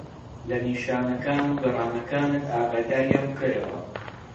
لە نیشانەکان و گەرانەکانت ئاگاداریان بکەرەوە.